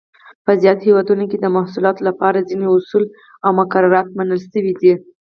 په زیاتو هېوادونو کې د محصولاتو لپاره ځینې اصول او مقررات منل شوي دي.